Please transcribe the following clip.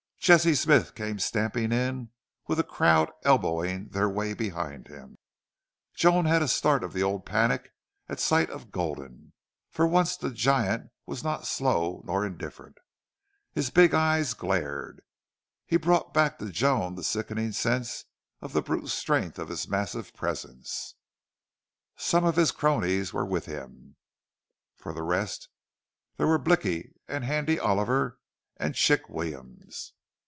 Jesse Smith came stamping in, with a crowd elbowing their way behind him. Joan had a start of the old panic at sight of Gulden. For once the giant was not slow nor indifferent. His big eyes glared. He brought back to Joan the sickening sense of the brute strength of his massive presence. Some of his cronies were with him. For the rest, there were Blicky and Handy Oliver and Chick Williams.